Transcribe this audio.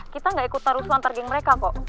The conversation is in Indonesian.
kita gak ikut taruh suantar geng mereka kok